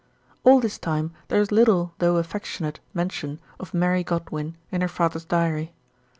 All this time there is little though affectionate mention of Mary Godwin in her father's diary.